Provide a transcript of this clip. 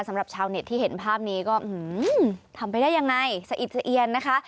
สำหรับชาวเน็ตที่เห็นภาพนี้ก็ทำไปได้ยังไงสะอิดสะเอียนนะคะ